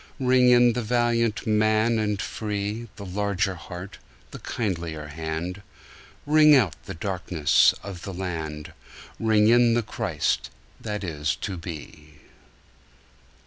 Ring in the valiant man and free, The larger heart, the kindlier hand; Ring out the darkenss of the land, Ring in the Christ that is to be.